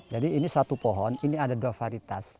jadi ini satu pohon ini ada dua varitas